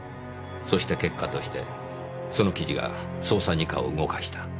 そして結果としてその記事が捜査二課を動かした。